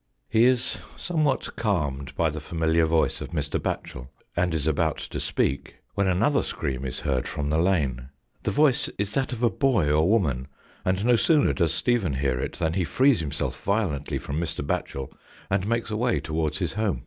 He is somewhat calmed by the familiar voice of Mr. Batchel, and is about to speak, when another scream is heard from the lane. The voice is that of a boy or woman, and no sooner does Stephen hear it than he frees himself violently from Mr. Batchel and makes away towards his home.